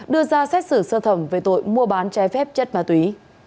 đưa ra xét xử sơ thẩm về tội mua bán trái phép chất ma túy